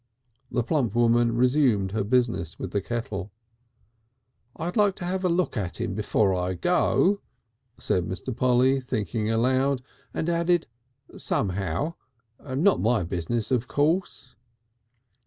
The plump woman resumed her business with the kettle. "I'd like to have a look at him before I go," said Mr. Polly, thinking aloud. And added, "somehow. Not my business, of course."